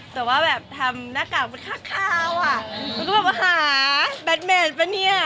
แต่ว่าแบบทำหน้ากากมันคาวอ่ะมันก็แบบว่าหาแบตเมดป่ะเนี่ย